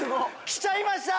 来ちゃいました！